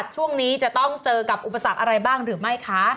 ช่วงนี้จะต้องเจอกับอุปสรรคอะไรบ้างหรือไม่คะ